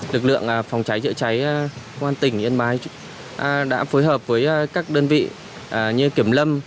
lực lượng phòng cháy chữa cháy công an tỉnh yên bái đã phối hợp với các đơn vị như kiểm lâm